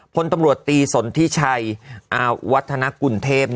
คนตำรวจตีสนที่ชัยวัฒนากุลเทพฯ